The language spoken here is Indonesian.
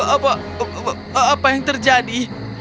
apa apa yang terjadi